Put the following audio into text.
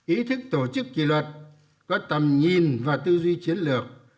ý thức tổ chức kỳ luật có tầm nhìn và tư duy chiến lược